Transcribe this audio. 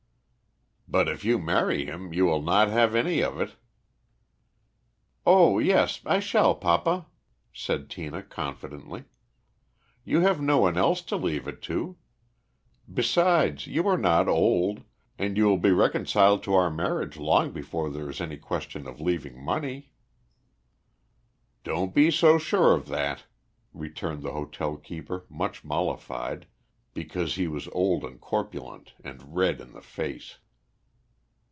"But if you marry him, you will not have any of it." "Oh yes, I shall, papa," said Tina confidently; "you have no one else to leave it to. Besides, you are not old, and you will be reconciled to our marriage long before there is any question of leaving money." "Don't be so sure of that," returned the hotel keeper, much mollified, because he was old and corpulent, and red in the face.